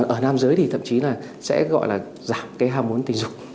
ở nam giới thì thậm chí là sẽ gọi là giảm cái ham muốn tình dục